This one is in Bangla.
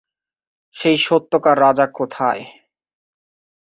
সেই সত্যকার রাজা কোথায়?